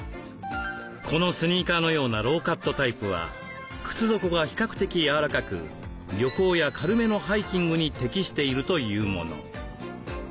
このスニーカーのようなローカットタイプは靴底が比較的柔らかく旅行や軽めのハイキングに適しているというもの。